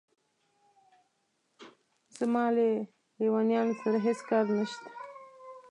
زما له لېونیانو سره هېڅ کار نشته.